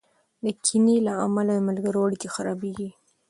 د کینې له امله د ملګرو اړیکې خرابېږي.